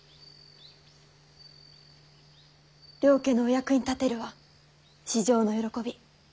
両家のお役に立てるは至上の喜び。